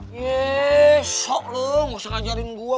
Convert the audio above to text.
besok lu nggak usah ngajarin gua